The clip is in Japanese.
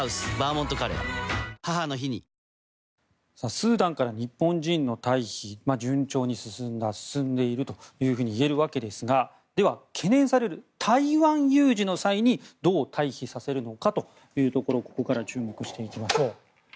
スーダンから日本人の退避順調に進んだ、進んでいるといえるわけですがでは、懸念される台湾有事の際にどう退避させるのかというところここから注目していきましょう。